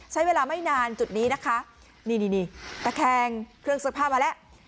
ใช้เวลาไม่นานจุดนี้นะคะนี่นี่ตะแคงเครื่องซักผ้ามาแล้ว